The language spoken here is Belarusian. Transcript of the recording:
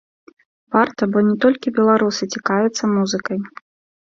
Варта, бо не толькі беларусы цікавяцца музыкай.